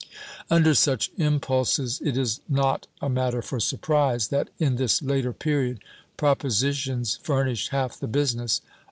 ^ Under such impulses it is not a matter for surprise that, in this later period "propositions" furnished half the business of the ^ MSS.